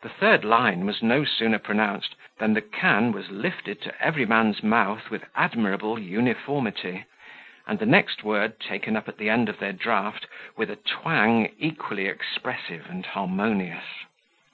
The third line was no sooner pronounced, than the can was lifted to every man's mouth with admirable uniformity; and the next word taken up at the end of their draught with a twang equally expressive and harmonious.